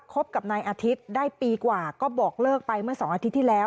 บกับนายอาทิตย์ได้ปีกว่าก็บอกเลิกไปเมื่อสองอาทิตย์ที่แล้ว